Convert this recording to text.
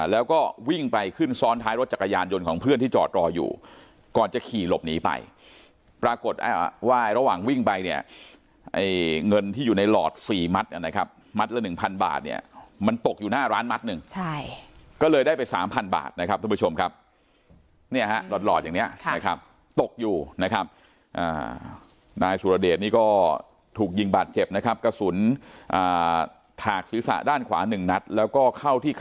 แล้วก็วิ่งไปขึ้นซ้อนท้ายรถจักรยานยนต์ของเพื่อนที่จอดรออยู่ก่อนจะขี่หลบหนีไปปรากฏว่าระหว่างวิ่งไปเนี่ยเงินที่อยู่ในหลอดสี่มัตต์นะครับมัตต์ละหนึ่งพันบาทเนี่ยมันตกอยู่หน้าร้านมัตต์หนึ่งใช่ก็เลยได้ไปสามพันบาทนะครับทุกผู้ชมครับเนี่ยฮะหลอดหลอดอย่างเนี้ยครับตกอยู่นะครับนายสุรเดชนี่ก็ถ